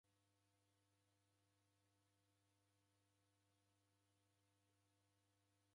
Bonya sena sa iji koni korebonyereghe